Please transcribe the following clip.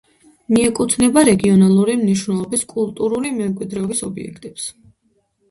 მიეკუთვნება რეგიონალური მნიშვნელობის კულტურული მემკვიდრეობის ობიექტებს.